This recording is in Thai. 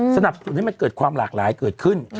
สนับสนุนให้มันเกิดความหลากหลายเกิดขึ้น